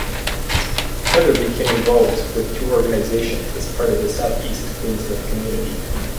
Heather became involved with two organisations as part of the South East Queensland community.